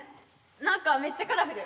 何かめっちゃカラフル。